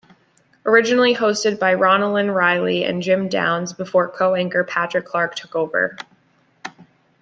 Originally hosted by Ronilyn Reilly and Jim Downs before co-anchor Patrick Clark took over.